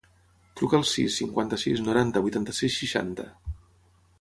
Truca al sis, cinquanta-sis, noranta, vuitanta-sis, seixanta.